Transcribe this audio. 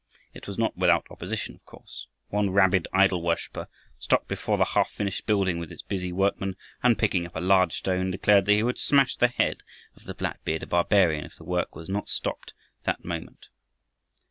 It was not without opposition of course. One rabid idol worshiper stopped before the half finished building with its busy workmen, and, picking up a large stone, declared that he would smash the head of the black bearded barbarian if the work was not stopped that moment.